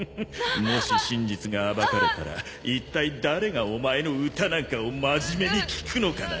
もし真実が暴かれたら一体誰がお前の歌なんかを真面目に聴くのかな？